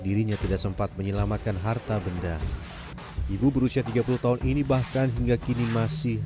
dirinya tidak sempat menyelamatkan harta benda ibu berusia tiga puluh tahun ini bahkan hingga kini masih